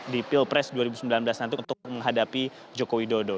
di pilpres dua ribu sembilan belas nanti untuk menghadapi jokowi dodo